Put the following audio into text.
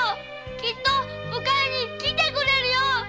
きっと迎えに来てくれるよ！